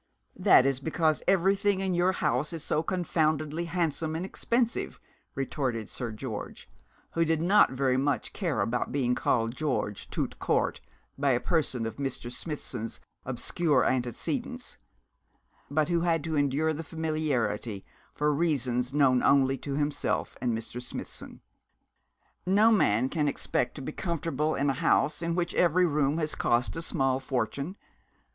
'That is because everything in your house is so confoundedly handsome and expensive,' retorted Sir George, who did not very much care about being called George, tout court, by a person of Mr. Smithson's obscure antecedents, but who had to endure the familiarity for reasons known only to himself and Mr. Smithson. 'No man can expect to be comfortable in a house in which every room has cost a small fortune.